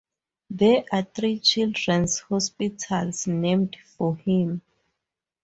There are three children's hospitals named for him.